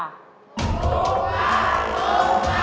ถูกกว่า